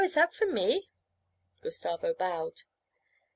Is that for me?' Gustavo bowed.